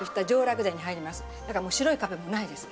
だからもう白い壁もないです。